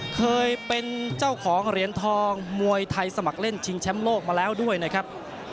เคยเป็นเจ้าของเหรียญทองมวยไทยสมัครเล่นชิงแชมป์โลกมาแล้วด้วยนะครับ